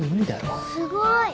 すごーい。